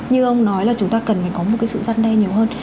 như ông nói là chúng ta cần phải có một cái sự giăn đe nhiều hơn